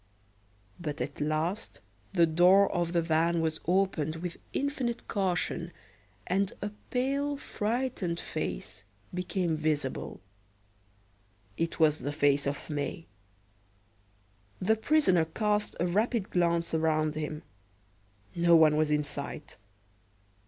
But at last the door of the van was opened with infinite caution, and a pale, frightened face became visible. It was the face of May. The prisoner cast a rapid glance around him. No one was in sight.